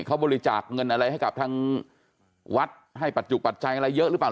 เขาบริจาคเงินอะไรให้กับทางวัดให้ปัจจุปัจจัยอะไรเยอะหรือเปล่า